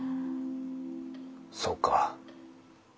そうか。